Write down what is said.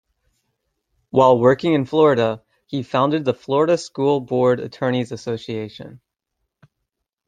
While working in Florida, he founded the Florida School Board Attorney's Association.